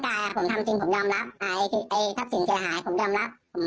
ถ้าผมทำจริงผมยอมรับถ้าสิ่งเสียหายผมยอมรับ